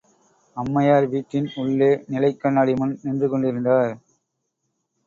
அம்மையார் வீட்டின் உள்ளே நிலைக் கண்ணாடி முன் நின்று கொண்டிருந்தார்.